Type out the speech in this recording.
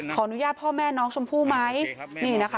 ขออนุญาตพ่อแม่น้องชมพู่ไหมนี่นะคะ